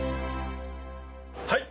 はい。